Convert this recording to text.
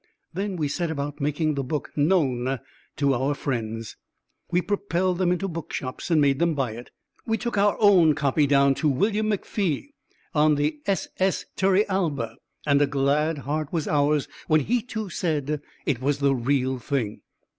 Then we set about making the book known to our friends. We propelled them into bookshops and made them buy it. We took our own copy down to William McFee on S.S. Turrialba and a glad heart was ours when he, too, said it was "the real thing."